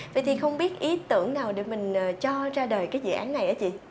vậy thì không biết ý tưởng nào để mình cho ra đời cái dự án này hả chị